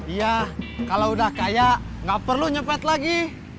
iya kalau udah kaya nggak perlu nyopet lagi